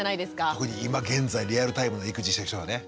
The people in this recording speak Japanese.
特に今現在リアルタイムの育児してる人はね。